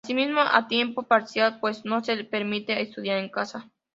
Asistió a tiempo parcial pues no se le permitía estudiar en casa.